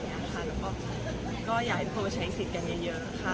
แล้วก็อยากให้ทุกคนใช้สิทธิ์กันเยอะค่ะ